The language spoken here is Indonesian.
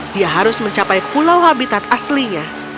dia harus mencapai pulau habitat aslinya